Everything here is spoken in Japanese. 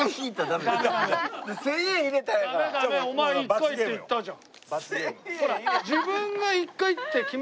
お前１回って言ったじゃん。